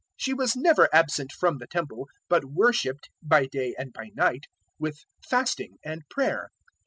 She was never absent from the Temple, but worshipped, by day and by night, with fasting and prayer.